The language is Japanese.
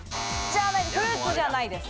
フルーツじゃないです。